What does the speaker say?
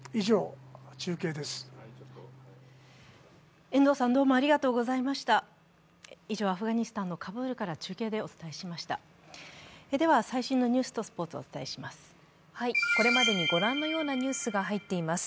では、最新のニュースとスポーツをお伝えします。